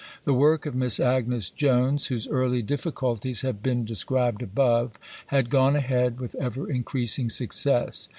The work of Miss Agnes Jones, whose early difficulties have been described above, had gone ahead with ever increasing success.